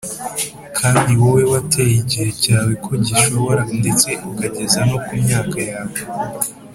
kandi wowe wateye igihe cyawe ko gisohora ndetse ukageza no ku myaka yawe